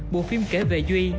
bộ phim kể về duy